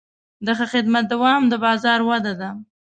د ښه خدمت دوام د بازار وده ده.